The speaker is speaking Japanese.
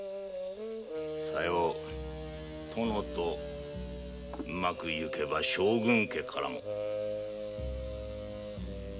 さよう殿とうまくゆけば将軍家からも。